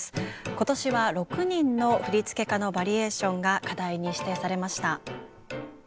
今年は６人の振付家のバリエーションが課題に指定されました。